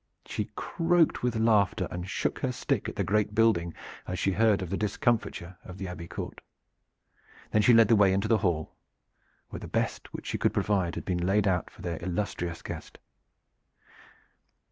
She croaked with laughter, and shook her stick at the great building as she heard of the discomfiture of the Abbey court. Then she led the way into the hall where the best which she could provide had been laid out for their illustrious guest.